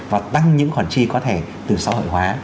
và tăng những khoản chi có thể từ xã hội hóa